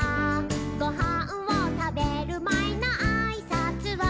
「ごはんをたべるまえのあいさつは」